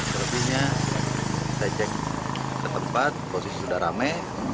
selepas ini saya cek ke tempat posisi sudah rame